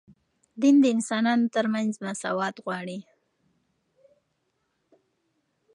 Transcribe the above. دین د انسانانو ترمنځ مساوات غواړي